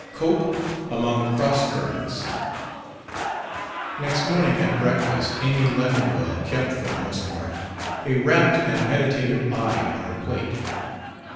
17 COPE AMONG CROSS CURRENTS Next morning, at breakfast, Amy Leffingwell kept, for the most part, a rapt and meditative eye on her plate.